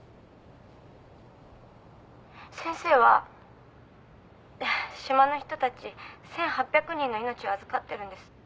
先生は島の人たち１，８００人の命を預かってるんです。